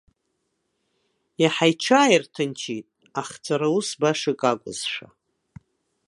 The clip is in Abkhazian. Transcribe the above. Иаҳа иҽааирҭынчит, ахҵәара ус башак акәызшәа.